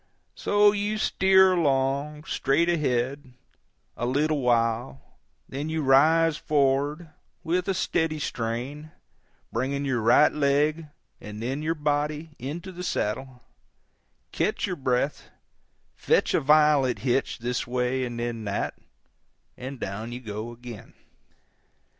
So you steer along, straight ahead, a little while, then you rise forward, with a steady strain, bringing your right leg, and then your body, into the saddle, catch your breath, fetch a violent hitch this way and then that, and down you go again.